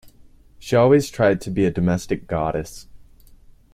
She's always tried to be a domestic goddess.